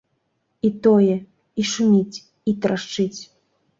І тое, і шуміць, і трашчыць.